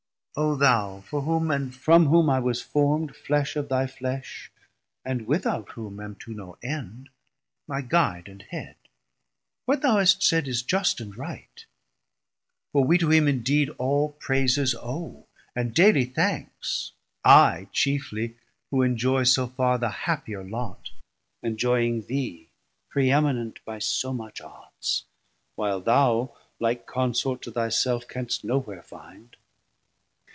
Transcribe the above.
O thou for whom 440 And from whom I was formd flesh of thy flesh, And without whom am to no end, my Guide And Head, what thou hast said is just and right. For wee to him indeed all praises owe, And daily thanks, I chiefly who enjoy So farr the happier Lot, enjoying thee Preeminent by so much odds, while thou Like consort to thy self canst no where find.